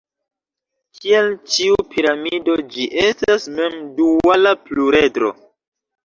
Kiel ĉiu piramido, ĝi estas mem-duala pluredro.